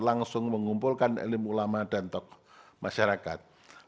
langsung mengumpulkan elim ulama dan tokoh masyarakat